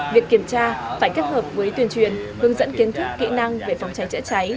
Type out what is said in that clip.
việc kiểm tra phải kết hợp với tuyên truyền hướng dẫn kiến thức kỹ năng về phòng cháy chữa cháy